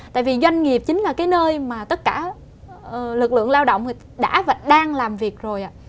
tại vì doanh nghiệp chính là cái nơi mà tất cả lực lượng lao động đã và đang làm việc rồi